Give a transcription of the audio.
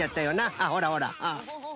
あっほらほら